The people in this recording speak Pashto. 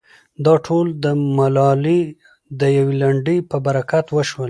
دا ټول د ملالې د يوې لنډۍ په برکت وشول.